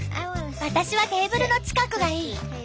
私はテーブルの近くがいい。